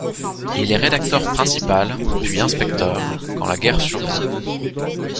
Il est rédacteur principal, puis inspecteur, quand la guerre survient.